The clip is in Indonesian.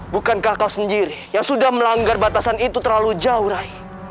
bukankah kau sendiri yang sudah melanggar batasan itu terlalu jauh rai